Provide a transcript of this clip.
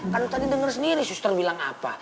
kan tadi dengar sendiri suster bilang apa